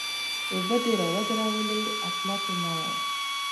اوبه دې را ودرولې؛ اپلاتي مه وایه!